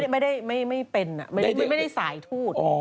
ไม่ได้เป็นไม่ได้สายทูต